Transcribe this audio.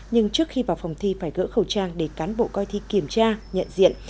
nhưng trước khi vào phòng thi phải gỡ khẩu trang để cán bộ coi thi kiểm tra nhận diện